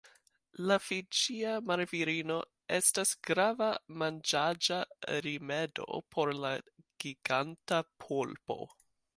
La fiĝia marvirino estas grava manĝaĵa rimedo por la giganta polpo.